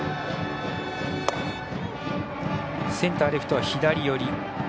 センター、レフトは左寄り。